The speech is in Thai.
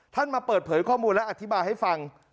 มาเปิดเผยข้อมูลและอธิบายให้ฟัง